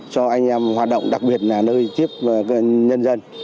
cho anh em hoạt động đặc biệt là nơi tiếp nhân dân